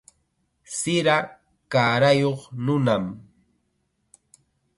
Sira kaarayuq nunam.